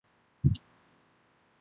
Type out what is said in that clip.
沒特別有